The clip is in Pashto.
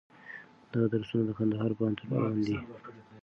دا درسونه د کندهار پوهنتون اړوند دي.